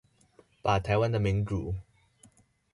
把臺灣的民主